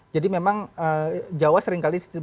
jadi memang jawa seringkali disebut kusuma